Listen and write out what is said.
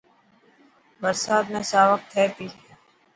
برسات ۾ ساوڪ ٿي تي.